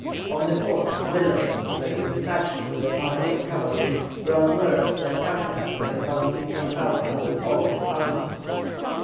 On the 4th Miller, who had been detached with a party of cavalry, brought word that Canterac was advancing from Jauja with all his army.